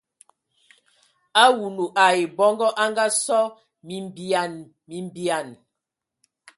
Awulu ai bɔngɔ anga sɔ mimbean mimbean.